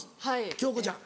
京子ちゃん。